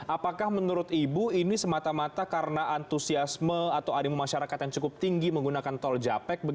apakah menurut ibu ini semata mata karena antusiasme atau animu masyarakat yang cukup tinggi menggunakan tol japek